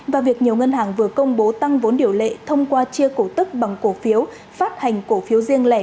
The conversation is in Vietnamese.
và việc nhiều ngân hàng vừa công bố tăng vốn điều lệ thông qua chia cổ tức bằng cổ phiếu phát hành cổ phiếu riêng lẻ